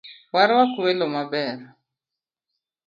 Warwak welo maber